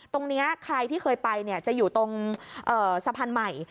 ตรงนี้ใครที่เคยไปจะอยู่ตรงสะพานใหม่